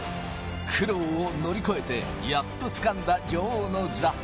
苦労を乗り越えて、やっとつかんだ女王の座。